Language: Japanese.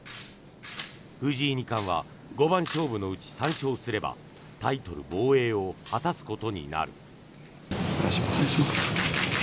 藤井二冠は五番勝負のうち３勝すればタイトル防衛を果たすことになる。